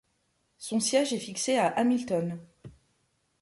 Son siège est fixé à Hamilton.